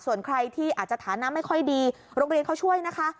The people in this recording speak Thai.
ส่วนใครที่อาจจะฐานะไม่ค่อยดีโรงเรียนเขาช่วยนะคะ